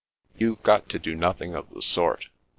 " You've got to do nothing of the sort.